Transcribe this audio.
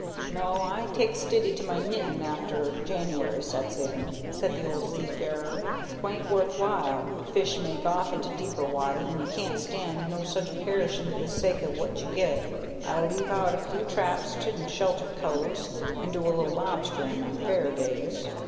"No; I take stiddy to my knitting after January sets in," said the old seafarer. "'Tain't worth while, fish make off into deeper water an' you can't stand no such perishin' for the sake o' what you get. I leave out a few traps in sheltered coves an' do a little lobsterin' on fair days.